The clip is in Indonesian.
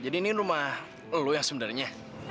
jadi ini rumah lo yang sebenarnya